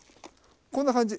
こんな感じ。